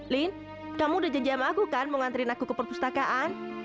lin kamu udah janji sama aku kan mau ngantrin aku ke perpustakaan